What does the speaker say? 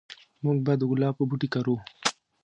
موږ به د ګلابو بوټي کرو